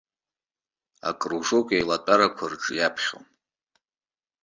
Акружок аилатәарақәа рҿы иаԥхьон.